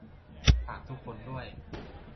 ฝากทุกคนด้วย